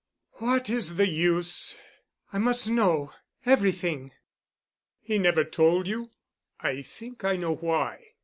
"What is the use?" "I must know—everything." "He never told you? I think I know why.